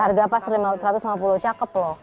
harga pas satu ratus lima puluh cakep loh